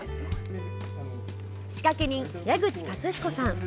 仕掛け人、矢口勝彦さん。